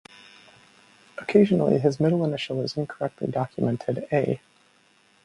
Occasionally, his middle initial is incorrectly documented A.